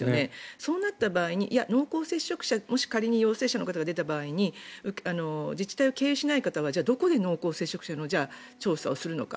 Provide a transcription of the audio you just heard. そうなった場合にもし仮に陽性者が出た場合に自治体を経由しない方はじゃあ、どこで濃厚接触者の調査をするのか。